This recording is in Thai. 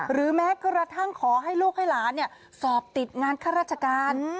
หรือแม้กระทั่งขอให้ลูกให้หลานสอบติดงานข้าราชการ